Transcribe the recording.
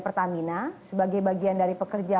pertamina sebagai bagian dari pekerja